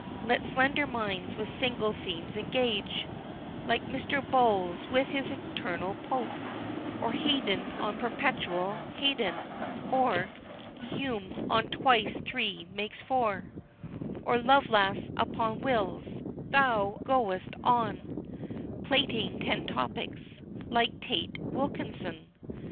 Let slender minds with single themes engage, Like Mr. Bowles with his eternal Pope, Or Haydon on perpetual Haydon, or Hume on "Twice three make four," Or Lovelass upon Wills, Thou goest on Plaiting ten topics, like Tate Wilkinson!